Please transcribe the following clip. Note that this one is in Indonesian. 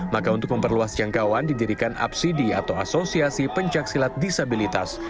maka untuk memperluas jangkauan didirikan apsidi atau asosiasi pencaksilat disabilitas